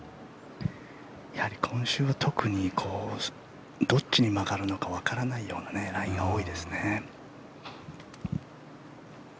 やはり今週、特にどっちに曲がるのかわからないようなラインが多いですね。